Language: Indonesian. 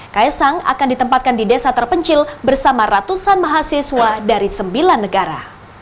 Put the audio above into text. kaisang akan ditempatkan di desa terpencil bersama ratusan mahasiswa dari sembilan negara